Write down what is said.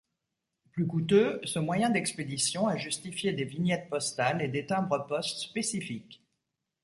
Plus coûteux, ce moyen d'expédition a justifié des vignettes postales et des timbres-poste spécifiques.